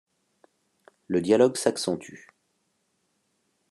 Le dialogue s’accentue.